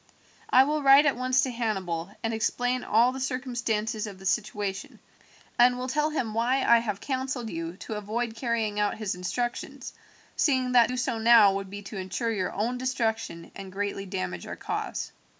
I will write at once to Hannibal and explain all the circumstances of the situation, and will tell him why I have counselled you to avoid carrying out his instructions, seeing that to do so now would be to ensure your own destruction and greatly damage our cause.